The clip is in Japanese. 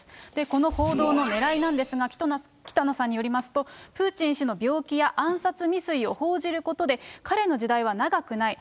この報道のねらいなんですが、北野さんによりますと、プーチン氏の病気や、暗殺未遂を報じることで、彼の時代は長くない。